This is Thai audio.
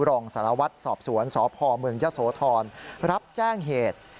รองสารวัตรสอบสวนสพเมืองยะโสธรรับแจ้งเหตุ